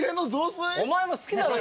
お前も好きだろ？